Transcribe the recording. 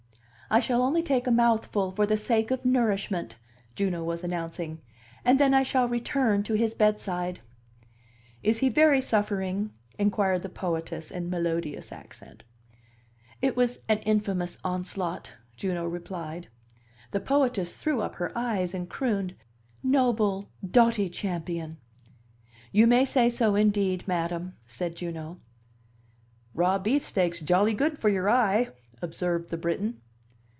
"I shall only take a mouthful for the sake of nourishment," Juno was announcing, "and then I shall return to his bedside." "Is he very suffering?" inquired the poetess, in melodious accent. "It was an infamous onslaught," Juno replied. The poetess threw up her eyes and crooned, "Noble, doughty champion!" "You may say so indeed, madam," said Juno. "Raw beefsteak's jolly good for your eye," observed the Briton.